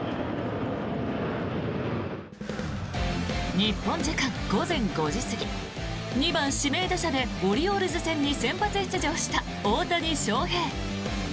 日本時間午前５時過ぎ２番指名打者でオリオールズ戦に先発出場した大谷翔平。